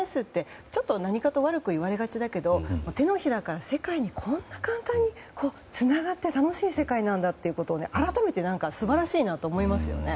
ＳＮＳって何かと悪く言われがちだけど手のひらから世界にこんな簡単につながって楽しい世界なんだということを改めて素晴らしいなと思いますよね。